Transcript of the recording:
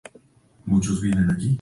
Iglesia de Nuestra Sra.